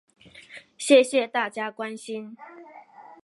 谢谢大家关心